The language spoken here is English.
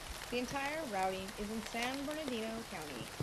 The entire routing is in San Bernardino County.